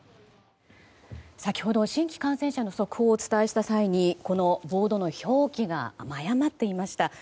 先ほど新規感染者の速報をお伝えした際にこのボードの表記が誤っていました。